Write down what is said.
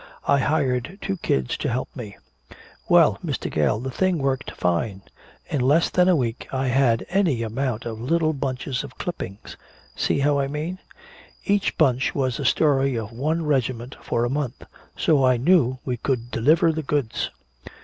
I hired two kids to help me. Well, Mr. Gale, the thing worked fine! In less than a week I had any amount of little bunches of clippings. See how I mean? Each bunch was the story of one regiment for a month. So I knew we could deliver the goods!